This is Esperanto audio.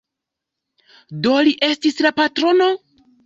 Do li estis la patrono?